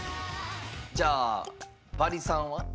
じゃあ「バリ３」は？